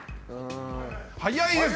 早いです！